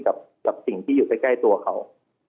กับสิ่งที่อยู่ใกล้ตัวเขา